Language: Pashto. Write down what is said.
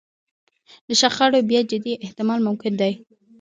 د شخړو بیا جدي احتمال ممکن دی.